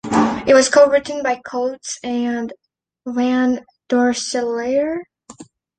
It was co-written by Coates and Van Dorsselaer.